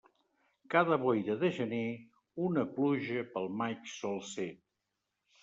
Cada boira de gener, una pluja pel maig sol ser.